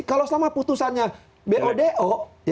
kalau selama putusannya bodo